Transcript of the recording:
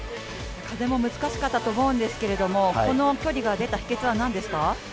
風も難しかったと思うんですけどこの距離が出た秘けつは何でしたか？